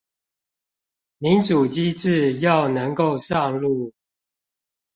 民主機制要能夠上路